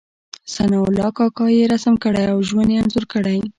ثناء الله کاکا يې رسم کړی او ژوند یې انځور کړی.